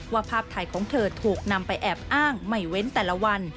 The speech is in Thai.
ภาพถ่ายของเธอถูกนำไปแอบอ้างไม่เว้นแต่ละวัน